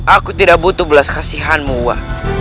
aku tidak butuh belas kasihanmu gua